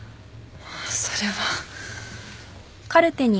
それは。